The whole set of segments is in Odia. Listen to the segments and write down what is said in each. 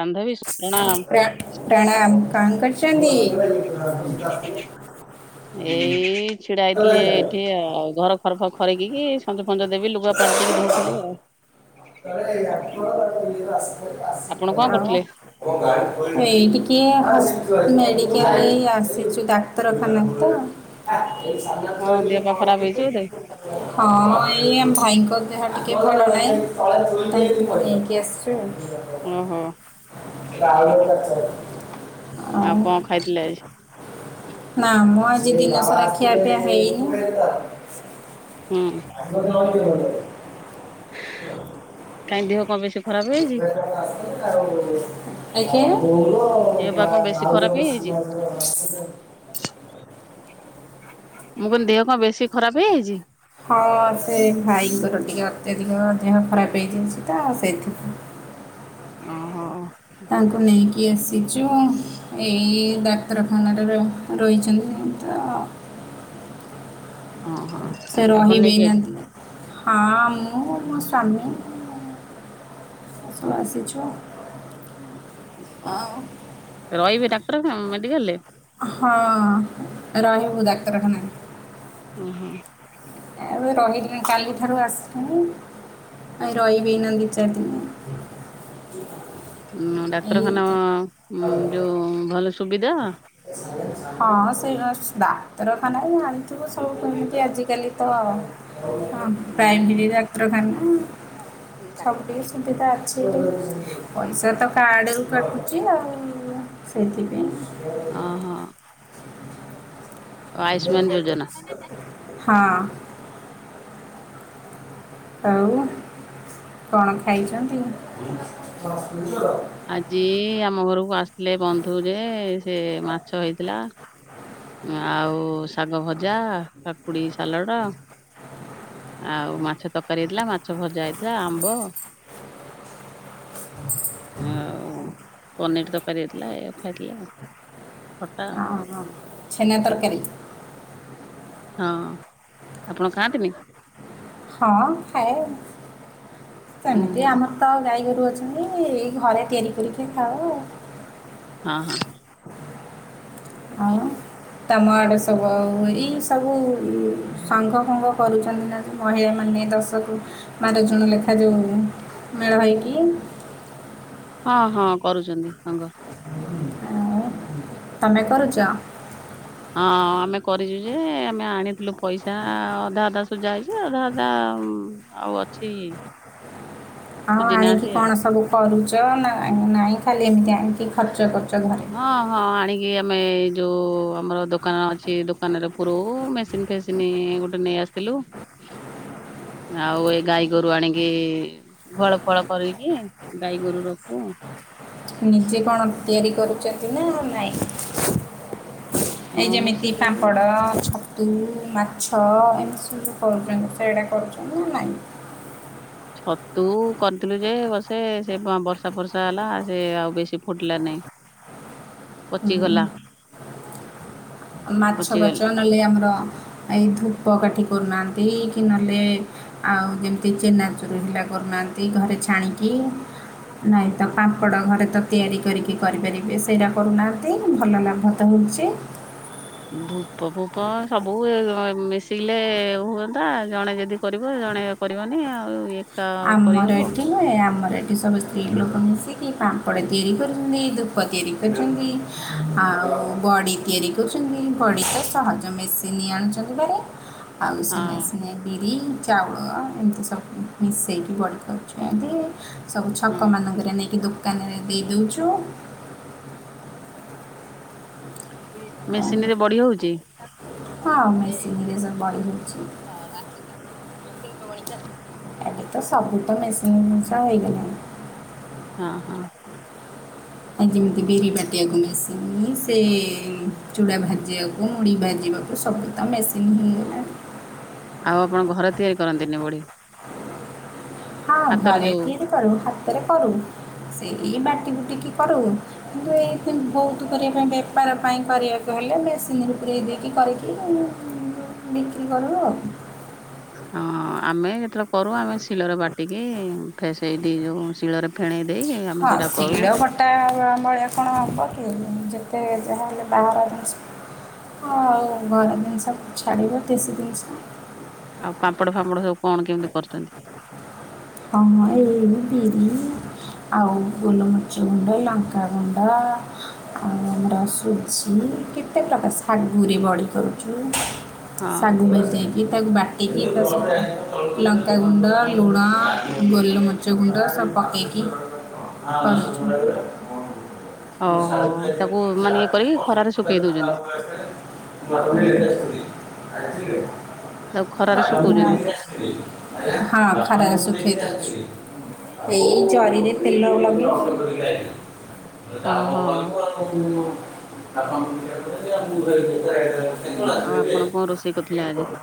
ବାନ୍ଧବୀ, ସୁୁପ୍ରଣାମ। ପ୍ରଣାମ। କଣ କରୁଚନ୍ତି? ଏଇ ଛିଡା ହେଇଥିଲି ଏଇଠି ଆଉ। ଘର ଫରକ ଖରିକିକି, ସଞ୍ଜ ଫଞ୍ଜ ଦେବି, ଲୁଗା ପାଲଟିକି ଦଉଥିଲି ଆଉ। ଆପଣ କଣ କରୁଥିଲେ? ଆଉ ଏଇ ଟିକିଏ ଆସ ମେଡ଼ିକାଲରେ ଆସିଛୁ ଡାକ୍ତରଖାନାକୁ ତ। ଏ ସଂଙ୍ଗ ହଁ ଦେହ ପା ସ ଖରାପ ହେଇଛି ପ୍ର ବୋଧେ ହଁ ଏଇ ଆମ ଭାଇଙ୍କ ଦେହ ଟିକେ ଭଲ ନାହିଁ [unintelligible] ନେଇକି ଆସଚୁ ଆଉ ଓହୋ। ଆଉ ଆଉ କଣ ଖାଇଥିଲେ ଆଜି? ନା ମଁ ଆଜିିଦିନ ସାରା ଖିଆ ପିଆ ହେଇନି। ହୁଁ। [inaudible] କାଇଁ ଦେହ କଣ ବେଶ ଆଜ୍ଞା। ଦେହ ପା କଣ ବେଶୀ ଭଉ ଖରାପ ହେଇଯାଇଛି? ମୁଁ କହିଲି ଦେହ କଣ ବେଶୀ ଖରାପ ହେଇଯାଇଛି? ହଁ ସେ ଭାଇଙ୍କର ଟିକେ ଅତ୍ୟଧିକ ଦେହ ଖରାପ ହେଇଯାଇଛି ତ ସେଥିପାଇଁ। ଓହୋ। ତାଙ୍କୁ ନେଇକି ଆସିଚୁ ଆଉ। ଏଇ ଡାକ୍ତରଖାନାରେ ର ରହିଛନ୍ତି ତ। ଅ ହଁ ସେ ଆପଣ ରହିବେ ନେଇକି ନା ଆଇଚ ହଁ ମୁଁ ମୋ ସ୍ୱାମୀ ସବୁ ଆସିଛୁ ଆଉ। [inaudible] ଆଉ ରହିବେ ଡାକ୍ଟର [unintelligible] ମେଡିକାଲରେ? ହଁ ରହିବୁ ଡାକ୍ତରଖାନାରେ ଓ ହଁ। ଆଉ ଏ ରହିିବୁନି କାଲିଠାରୁ ଆସିଲୁଣି ଆଉ ରଇବି ଏଇନା ଦି ଚାରି ଦିନି ଉଁ ଡାକ୍ତରଖାନା ଉଁ ଯୋଉ ଭଲ ସୁବିଧା ହଁ ସେଇଆ ସବୁ ଡାକ୍ତରଖାନାରେ ଜାଣି ଥିବ ସବୁ କେମିତି ଆଜିକାଲି ତ ହଁ ଓହୋ ପ୍ରାଇମେରୀ ଡାକ୍ତରଖାନା ସବୁ ଟିକେ [unintelligible] ସୁବିଧା ଅଛି ବୋଲି, ପଇସା ତ କାର୍ଡରୁ କଟୁଛି ଆଉ ସେଥିପାଇଁ ଅ ହ। ଆୟୁଷ୍ମାନ ଯୋଜନା ହଁ। ଆଉ କଣ ଖାଇଛନ୍ତି? ଆଜି ଆମ ଘରକୁ ଆସିଥିଲେ ବନ୍ଧୁ ଯେ ସେ ମାଛ ହେଇଥିଲା ଆଉ ଶାଗ ଭଜା, କାକୁଡ଼ି ସାଲଡ଼, ଆଉ ମାଛ ତରକାରୀ ହେଇଥିଲା ମାଛ ଭଜା ହେଇଥିଲା ଆମ୍ବ ଆଉ ପନିର ତରକାରୀ ହେଇଥିଲା ଏଆକୁ ଖାଇଥିଲେ ଆଉ ଖଟା ଓହୋ ଛେନା ତରକାରୀ? ହଁ, ଆପଣ ଖାଆନ୍ତିନି? ହଁ ଖାଏ। ଉଁ ସେମିତି ହୁଁ ଆମର ତ ଗାଈଗୋରୁ ଅଛନ୍ତି। ଏଇ ଘରେ ତିଆରି କରିକି ଖାଅ ଆଉ। ଅ ହଁ। ଆଉ ତମ ଆଡେ ସବୁ ଆଉ ଏଇ ସବୁ ସଙ୍ଘ ଫଙ୍ଘ କରୁଛନ୍ତି ନା ମହିଳାମାନେ ଦଶକୁ ବାର ଜଣ ଲେଖା ଯୋଉ ମେଳ ହେଇକି ହଁ, ହଁ କରୁଛନ୍ତି ସଙ୍ଘ। ତୋମେ କରୁଚ? ହଁ ଆମେ କରିଚୁ ଯେ ଆମେ ଆଣିଥିଲୁ ପଇସା ଅଧା ଅଧା ସୁଜା ହେଇଛି। ଅଧା ଅଧା ଉଁ, ଆଉ ଅଛି ଆଉ ସୁଝି ଆଣିକି ନାହାନ୍ତି ଆଉ। କଣ ସବୁ କରୁଚ ନା ନାହିଁ, ନାଇଁ ଖାଲି ଏମିତି ଆଣିକି ଖର୍ଚ୍ଚ କରୁଛ ଘରେ? ହଁ, ହଁ ଆଣିକି ଆମେ ଯୋଉ ଆମର ଦୋକାନ ଅଛି ଦୋକାନରେ ପୁରଉ। ମେସିନ୍ ଫେସି ସିନି ଗୋଟେ ନେଇ ଆସିଥିଲୁ। ଆଉ ଏ ଗାଈଗୋରୁ ଆଣିକି ଗୁହାଳ ଫୁହାଳ କରିକି ଗାଈଗୋରୁ ରଖୁ। ନିଜେ କଣ ତିଆରି କରୁଛନ୍ତି ନା ନାଇଁ? ଏଇ ହଁ ମୁଁ ଯେମିତି ସେଇ ପାମ୍ପଡ଼, ଛ ତୁ, ମାଛ ଏମିତି ସବୁ ଯୋଉ କରୁଛନ୍ତି, ସେଇଡ଼ା କରୁଛନ୍ତି ନା ନାହିଁ? ଛତୁ କରିଥିଲୁ ଯେ ବଷେ ସେ ବ-ବର୍ଷା ଫର୍ଷା ହେଲା। ସେ ଆଉ ବେଶୀ ଫୁଟିଲା ନାଇଁ। ହୁଁ। ପଚିଗଲା। ମାଛ ପାଛ ପଚିଗଲା ନହେଲେ ଆମର ଏଇ ଧୂପ କାଠି କରୁନାହାନ୍ତି କି ନଲେ ଆଉ ଯେମିତି ଚେନାଚୁରୁ ହେଲା କରୁନାହାନ୍ତି ଘରେ ଛାଣିକି। ନାଇଁ ତ ପାମ୍ପଡ଼ ଘରେ ତ ତିଆରି କରିକି କରିପାରିବେ। ସେଇଟା କରୁନାହାନ୍ତି ଭଲ ଲାଭ ତ ହଉଛି। ଧୂପ ଫୂପ ସବୁ ଏ ମିଶିଲେ ହୁଅନ୍ତା। ଜଣେ ଯଦି କରିବ ଜଣେ କରିବନି ଆଉ ଇଏ ଆମର ଏଠି ନୁହେଁ ଆମର ଏଠି ସବୁ ସ୍ତ୍ରୀ ଲୋକ ମିଶିକି ପାମ୍ପଡ଼ ତିଆରି କରୁଛନ୍ତି। ଧୂପ ତିଆରି କରୁଛନ୍ତି, ଆଉ ବଡ଼ି ତିଆରି କରୁଛନ୍ତି। ବଡ଼ି ତ ସହଜ ମେସିନି ଆଣୁଛନ୍ତି ବାଡେ। ଆଉୁ ସେ ହଁ ମେସିନ୍ ରେ ବିରି ଚାଉଳ ଏମତି ସବୁ ମିଶେଇକି ବଡି ପାରୁଛନ୍ତି। ସବୁ ଛକ ହଁ ମାନଙ୍କରେ ନେଇକି ଦୋ କାନରେ ଦେଇ ଦେଉଛୁ। ଆଉ ମେସିନ୍ ରେ ବଡି ହଉଛି? ହଁ ମେସିିନିରେ ସବ୍ ବଡ଼ି ହୋଉଛି। ହଁ ରାତିକି [unintelligible] ଏବେ ତ ସବୁ ତ ମେସିନ୍ ଜିନିଷ ହେଇଗଲାଣି। ହଁ, ହଁ। ଆ, ଯେମିତି ବିରି ବାଟିଆକୁ ମେସିନି ସେ ଚୁଡ଼ା ଭାଜିବାକୁ, ମୁଡ଼ି ଭାଜିବାକୁ ସବୁ ତ ମେସିନ୍ ହେଇଗଲାଣି। ଆଉ ଆପଣ ଘର ତିଆରି କରନ୍ତିନି ବଢ଼ି? ହଁ ଘରେ ଯୋଉ ତିଆରି କରୁ, ହାତରେ କରୁ, ସେଇ ବାଟି ବୁଟିକି କରୁ। କିନ୍ତୁ ଏଇ ବହୁତ କରିବା ପାଇଁ ବେପାର ପାଇଁ କରିବାକୁ ହେଲେ ମେସିନ୍ ରେ ପୁରେଇ ଦେଇକି କରେ। [inaudible] ବିକ୍ରି କରୁ। ହଁ ଆମେ ଯେତେବେଳେ କରୁ ଆମେ ଶିଲର ବାଟିକି ଫେସେଇ ଦେଇ ଯୋଉ ଶିଳରେ ଫେଣେଇ ଦେଇକି ଆ ହଁ ଶୀଳ ବ ଟା ମ-ମଳିଆ କଣ ହବକି ଯେତେ ଯାହା ହେଲେ ବାହାର ଜିନିଷ। ହଁ ଆଉ ଘର ଜିନିଷ ଛାଡିବ ଦେଶୀ ଜିନିଷ। ଆଉ ପାମ୍ପଡ ଫାମ୍ପଡ ସବୁ କଣ କେମିତି କରୁଚନ୍ତି? ହଁ, ହଁ ଏଇ ବିରି ଆଉ ଗୋଲମରିଚ ଗୁଣ୍ଡ, ଲଙ୍କା ଗୁଣ୍ଡ ଆଉ ଆମର ସୁଜି କେତେ ପ୍ରକାର, ଶାଗୁରେ ବଡି କରୁଛୁ। ହଁ ଶାଗୁ ମିଶେଇକି ତାକୁ ବାଟିକିି ତା [inaudible] ଲଙ୍କାଗୁଣ୍ଡ ଲୁଣ ଗୋଲମରିଚ ଗୁଣ୍ଡ ସବ୍ ପକେଇକି କରଛୁ। ମୁଁ ଓହୋ ସାଡୁକୁ ଯାଇକି ତାକୁ ମାନେ ଚା ଇଏ ପିଇ କରିକି ଖରାରେ ଶୁଖେଇ ଦଉଛନ୍ତି ତାକୁ ଖରାରେ ଶୁଖଉଛନ୍ତି କଫି [unintelligible] [unintelligible] ହଁ ଖରାରେ ଶୁଖେଇ ଦୋଉଚି ଏଇ ଜରିରେ ତେଲ ଲଗେଇକି। ଓହୋ [unintelligible] ଆଉ ଆପଣ କଁ ରୋଷେଇ କରଥିଲେ ଆଜି? [unintelligible] କଣ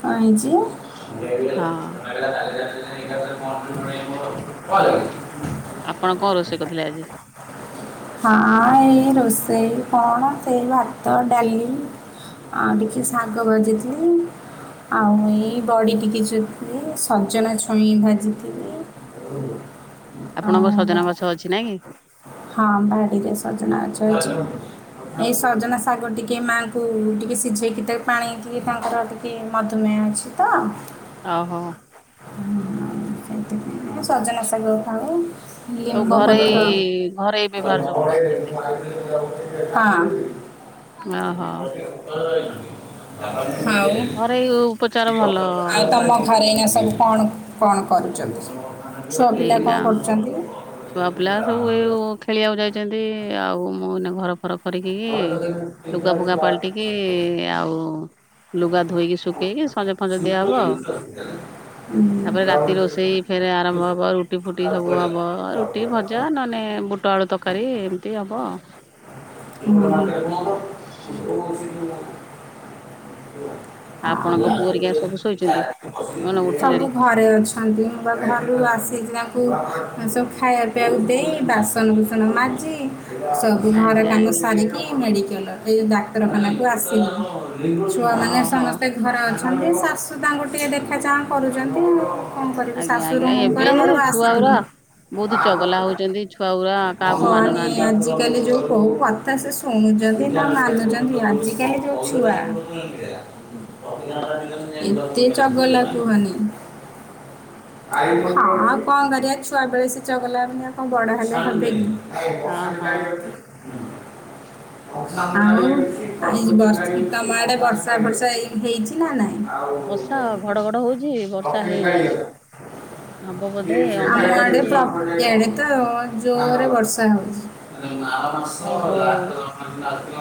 ହେଇଚି? ହଁ [unintelligible] ଆପଣ କଣ ରୋଷେଇ କରିଥିଲେ ଆଜି? ହଁ ଏଇ ରୋଷେଇ କଣ ସେଇ ଭାତ, ଡାଲି। ଆଉ ଟିକେ ଶାଗ ଭଜିଥିଲି ଆଉ ଏଇ ବଡ଼ି ଟିକେ ଚୁ ଏ ସଜନା ଛୁଇଁ ଭାଜିଥିଲି। ଆପଣଙ୍କ ଆଉ ସଜନା ଗଛ ଅଛି ନାଆଁକି? ହଁ ବାଡିରେ ସଜନା ଗଛ ଅଛି। ଏଇ ସଜନା ଶାଗ ଟିକେ ମାଆଙ୍କୁ ଟିକେ ସିଝେଇକି ତା ପାଣି ଟିକେ ତାଙ୍କର ଟିକେ ମଧୁମେୟ ଅଛି। ତ ଅହୋ। ହଁ ଆଉ ସେଇଥିପାଇଁ ଟିକେ ସଜନା ଶାଗ ଖାଉ। ସବୁ ଘରୋଇ ଲିମ୍ବପତ୍ର ହଁ। ଘରୋଇ ବ୍ୟବହାର ସବୁ କରୁଛନ୍ତି ଅହ। ଘରୋଇ ଉପଚାର ଭଲ ଆଉ? ତମ ଘରେ ଏଇନା ସବୁ କଣ କଣ କରୁଚନ୍ତି? ଏଇନା ଛୁଆ ପିଲା ସବୁ ଏ ଓ ଖେଳିଆକୁ ଯାଇଚନ୍ତି ଆଉ ମୁଁ ଏଇନା ଘର ଫର କରିକି କି ଲୁଗା ଫୁଗା ପାଲଟିକି ଆଉ ଲୁଗା ଧୋଇକି ଶୁକେଇକି ସଞ୍ଜ ଫଞ୍ଜ ଆଉ ଦିଆହବ ତାପରେ ରାତି ରୋଷେଇ ଫେରେ ଆରମ୍ଭ ହବ ରୁ ରୁଟି ଫୁଟି ସବୁ ହବ ରୁଟି, ଭଜା ନହନେ ବୁଟ ଆଳୁ ତରକାରୀ ଏମତି ହବ। ଉହୁଁ। ଆ ଆପଣଙ୍କ ପୁଅ ହେରିକା ସବୁ ଶୋଇଛନ୍ତି? କଣ ସବୁ ଉଠିଲେଣି ଘ ଘରେ ଅଛନ୍ତି ମୁଁ ପା ଘରୁ ଆସିକି ତାଙ୍କୁ ସବୁ ଖାଇବା ପିଇବାକୁ ଦେଇ ବାସନ କୁ ସନ ମାଜି ସବୁ ଘର ଆଜ୍ଞା କାମ ଆଜ୍ଞା ସାରିକି ମେଡ଼ିକାଲ ଏଇ ଡାକ୍ତରଖାନାକୁ ଆସିଲୁ ଛୁଆମାନେ ହଉ ହଉ। ସମସ୍ ଘରେ ଅଛନ୍ତି ଶାଶୁ ତାଙ୍କୁ ଟିକେ ଦେଖା ଚାହାଁ କରୁଚନ୍ତି। ଆଜ୍ଞା ଆଜ୍ଞା ଏବେ ଛୁଆଉର ଆସିଥିଲି ବୋହୁତୁ ଚଗଲା ହଁ ହୋଉଚନ୍ତି ଛୁ ଛୁଆଗୁରା କାହାକୁ ନି ମାନୁନାହାନ୍ତି। ଆଜିକାଲି ଯୋଉ କୋଉ କଥା ସେ ଶୁଣୁଚନ୍ତି ନା ମାନୁଚନ୍ତି ଆଜିକାଲି ଯୋଉ ଛୁଆ ହ [inaudible] ଏତେ ଚଗଲା କୁହୁନି। ହଁ ଆଉ କଣ କରିବା ଛୁଆ ବେଳେ ସେ ଚଗଲା ହେବେନି ଆଉ କଣ ବଡ ହେବେ କି। ହଁ ହଁ। ଆଉ? ଏ ବର୍ଷା ତମ ଆଡେ ବର୍ଷା ଫର୍ଷା ଏଇ ହେଇଛି ନା ନାଇଁ? ଆଉ ବର୍ଷା ଘଡଘଡ ହଉଛି ବର୍ଷା ଲକରୀ ହେଇନି ଗାଳି ହବ ବୋଧେ [inaudible] ଅନ୍ଧାର ଆମ ଆଡେ କରିଛି। ପ୍ର ଇଆଡେ ତ ଜୋରେ ବର୍ଷା ହୋଉଛି। ଆଉ? ଓହୋ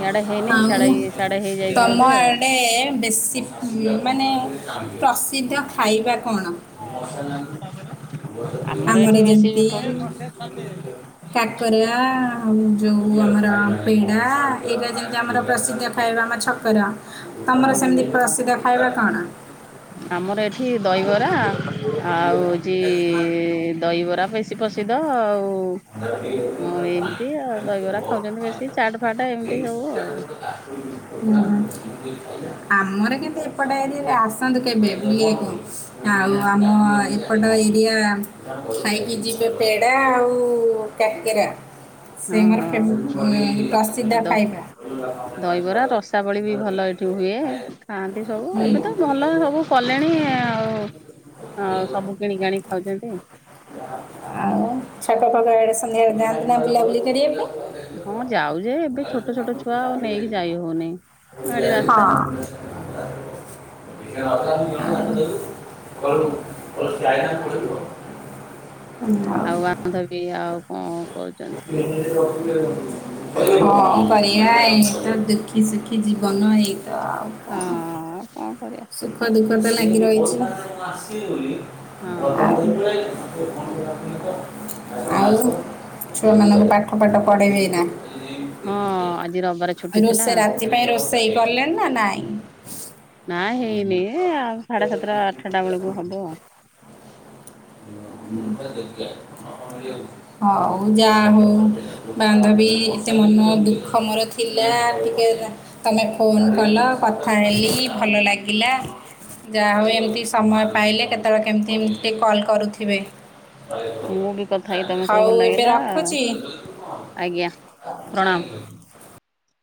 ଇଆଡେ ହେଇନି ସିଆଡେ ସିଆଡେ ହେଇଯାଇଛି ତମ ବୋଧେ ଆଉ। ଆଡେ ବେଶୀ ଉମ୍ ମାନେ ପ୍ରସ୍ ସିଦ୍ଧ ଖାଇବା କଣ? ଆମର ଏଠି ବେଶୀ ଯେମତି ହୁଁ [inaudible] କାକରିଆ ଆଉ ଯୋଉ ଆମର ପେଡା ଏଇଗୁଡା ସବୁ ଇଏ ଆମର ପ୍ରସିଦ୍ଧ ଖାଇବା ଆମ ଛକର ତମର ସେମିତି ପ୍ରସିଦ୍ଧ ଖାଇବା କଣ? ଆମର ଏଠି ଦହିବରା ଆଉ ହୋଉଚି ଦହିବରା ପେ ସି ପ୍ରସିଦ୍ଧ ଆଉ [inaudible] ହଁ ଏମିତି ଆଉ ଦହିବରା ଖାଉଛନ୍ତି ବେଶୀ ଚାଟ ଫାଟ ଏମିତି ସବୁ ଆଉ। ଆମର କିନ୍ତୁ ଏପଟେ ଏରିଆରେ ଆସନ୍ତୁ କେବେ ବୁଲିବାକୁ। ଆଉ ଆମ ଏପଟ ଏରିଆ ଖାଇକି ଯିବେ ପେଡ଼ା ଆଉ କକରା ସେ ହଁ ମୋର ହଁ ଫେବ ଦ ପ୍ରସିଦ୍ଧ ଦ ଖାଇବା। ଦହିବରା ରସାବଳି ବି ଭଲ ଏଠି ହୁଏ ଖାଆନ୍ତି ସବୁ ଏବେ ତ ଭଲ ସବୁ କଲେଣି ଆଉ ଆଉ ସବୁ କିଣିକ ଆଣି ଖାଉଚନ୍ତି। ଆଉ ଛକ ଫକ ଆଡେ ସନ୍ଧ୍ୟା ଅଳେ ଯାଆନ୍ତି ନା ବୁଲାବୁଲି କରିବା ପାଇଁ? ହଁ ଯାଉ ଯେ କଣ ଏବେ ଛୋଟ ଛୋଟ ଛୁଆ କରିବା ଆଉ ନେଇକି ଯାଇ ହଉନି ଗାଡି ଏଇ ରାସ୍ତା [inaudible] [inaudible] [inaudible] ଆଉ [unintelligible] ବାନ୍ଧବୀ ଆଉ କଣ କରୁଛନ୍ତି? [inaudible] କଁ କରିଆ ଏଇତ ଦୁଃଖୀ ସୁଖୀ ଜୀବନ ଏଇତ ଆଉ। କଣ ହଁ କଣ କରିବା। ସୁଖ ଦୁଃଖ ତ ଲାଗି ରହିଛି ଆଜ୍ଞା। ହଁ ଆଉ ଛୁଆ ମାନଙ୍କୁ ପାଠ ଫାଠ ପଢେଇବେ ଏଇନା? ହଁ ଆଜି ରବିବାର ଛୁଟି ଥିଲା ରୋଷେଇ ରାତି ପାଇଁ ରୋଷେଇ କଲେଣି ନା ନାଇଁ? ନା ହଉ ହେଇନି ଏ ଆଉ ସାଢେ ସାତଟା ଆଠଟା ବେଳକୁ ହବ। ହଉ ଯା ହୋଉ। ବାନ୍ଧବୀ ଏତେ ମନ ଦୁଃଖ ମୋର ଥିଲା ଟିକେ ଏନା ତମେ ଫୋନ୍ କଲ କଥା ହେଲି ଭଲ ଲାଗିଲା ଯାହା ହଉ ଏମିତି ସମୟ ପାଇଲେ କେ ତଳେ କେମିତି ଏମିତି ଟିକେ କଲ୍ କରୁଥିବେ। ମୁଁ ବି କଥା ହେଇକି ତମ ସହ ହଉ ଭଲ ଏବେ ଲାଗିଲା ରଖୁଚି। ଆଜ୍ଞା ପ୍ରଣାମ।